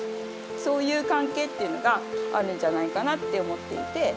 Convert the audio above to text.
そういう関係っていうのがあるんじゃないかなって思っていて。